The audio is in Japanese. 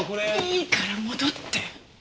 いいから戻って！